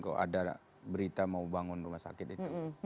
kalau ada berita mau bangun rumah sakit itu